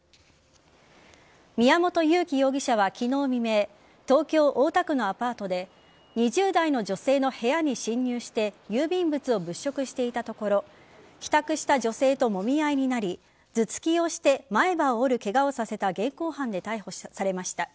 宮本祐樹容疑者は昨日未明東京・大田区のアパートで２０代の女性の部屋に侵入して郵便物を物色していたところ帰宅した女性ともみ合いになり頭突きをして前歯を折るケガをさせた現行犯で逮捕されました。